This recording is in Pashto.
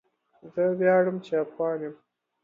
زه وياړم چي افغان یم